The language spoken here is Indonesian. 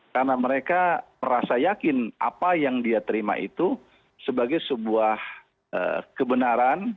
karena mereka merasa yakin apa yang dia terima itu sebagai sebuah kebenaran